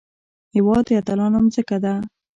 هېواد د اتلانو ځمکه ده